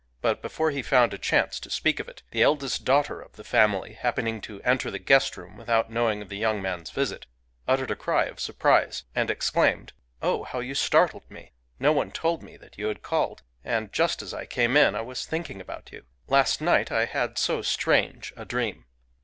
But before he found a chance to speak of it, the eldest daughter of the family, hap pening to enter the guest room without knowing of the young man's visit, uttered a cry of surprise, and exclaimed, " Oh ! how you startled me ! No one told me that you had called ; and just as I came in I was thinking about you. Last night I had so strange a dream